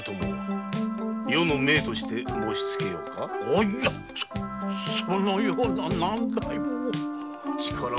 いやそのような難題を。